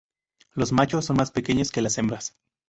Los machos son más pequeños que las hembras.